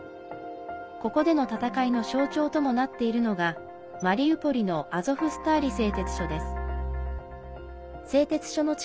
ここでの戦いの象徴ともなっているのがマリウポリのアゾフスターリ製鉄所です。